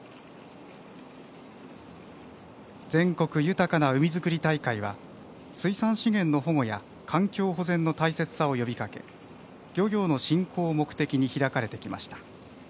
「全国豊かな海づくり大会」は水産資源の保護や環境保全の大切さを呼びかけ漁業の振興を目的に開かれてきました。